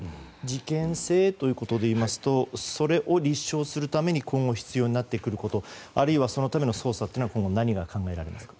事件性ということでいいますとそれを立証するために今後、必要になってくることあるいはそのための捜査は今後、何が考えられますか？